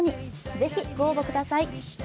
ぜひご応募ください。